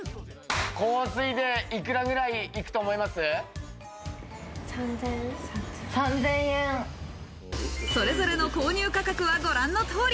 香水でいくらくらいいくと思それぞれの購入価格はご覧の通り。